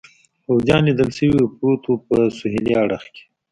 پوځیان لیدل شوي و، پروت و، په سهېلي اړخ کې.